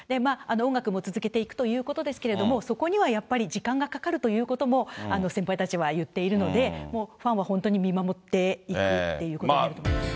音楽も続けていくということですけれども、そこにはやっぱり、時間がかかるということも先輩たちは言っているので、もうファンも本当に見守っていくっていうことになると思います。